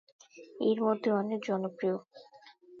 এর মধ্যে অনেক জনপ্রিয়।